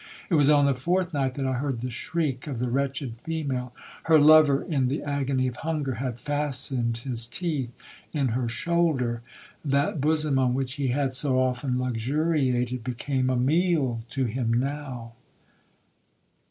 It was on the fourth night that I heard the shriek of the wretched female,—her lover, in the agony of hunger, had fastened his teeth in her shoulder;—that bosom on which he had so often luxuriated, became a meal to him now.'